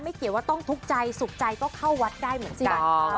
เขียนว่าต้องทุกข์ใจสุขใจก็เข้าวัดได้เหมือนกัน